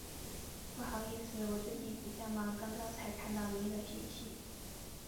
不好意思，我最近比较忙，刚刚才看到您的信息。